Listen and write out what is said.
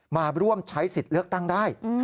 มาร่วมใช้สิทธิ์เลือกตั้งได้